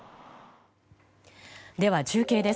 では、中継です。